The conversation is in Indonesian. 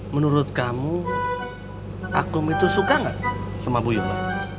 menurut kamu akum itu suka gak sama bu yuma